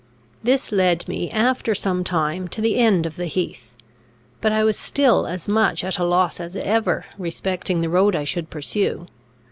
This led me, after some time, to the end of the heath; but I was still as much at a loss as ever respecting the road I should pursue.